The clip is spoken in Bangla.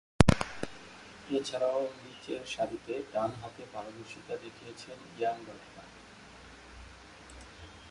এছাড়াও, নিচেরসারিতে ডানহাতে পারদর্শীতা দেখিয়েছেন ইয়ান বাটলার।